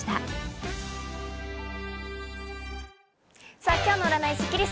さぁ今日の占いスッキリす。